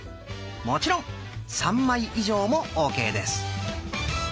もちろん３枚以上もＯＫです。